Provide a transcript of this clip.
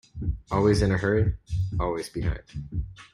Always in a hurry, always behind.